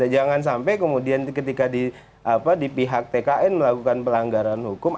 jangan sampai kemudian ketika di pihak tkn melakukan pelanggaran hukum